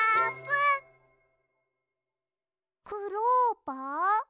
クローバー？